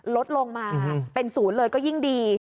ลดลงมาเป็น๐เลยก็ยิ่งดี